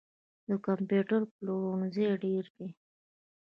د کمپیوټر پلورنځي ډیر دي